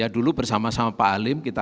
dulu bersama sama pak halim kita